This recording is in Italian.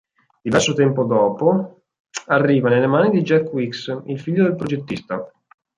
Diverso tempo dopo arriva nelle mani di Jack Weeks, il figlio del progettista.